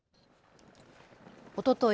おととい